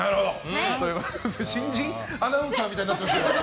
新人アナウンサーみたいになってますけど。